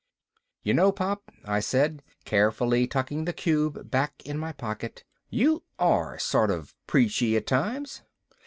"You know, Pop," I said, carefully tucking the cube back in my pocket, "you are sort of preachy at times."